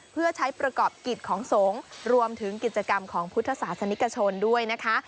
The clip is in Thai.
เพื่อใช้กิจกรรมของพุทธศาสนิทกระชนด้วยนะคะ